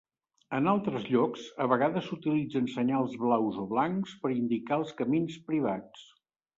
En altres llocs, a vegades s'utilitzen senyals blaus o blancs per indicar els camins privats.